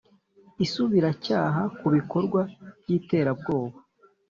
Isubiracyaha ku bikorwa by’iterabwoba